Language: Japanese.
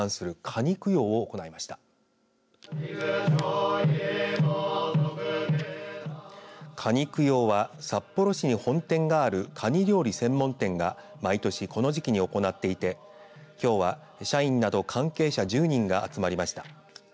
かに供養は札幌市に本店があるかに料理専門店が毎年この時期に行っていてきょうは、社員など関係者１０人が集まりました。